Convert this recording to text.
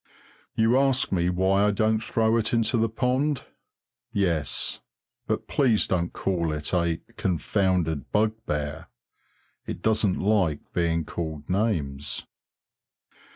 You ask me why I don't throw it into the pond yes, but please don't call it a "confounded bugbear" it doesn't like being called names.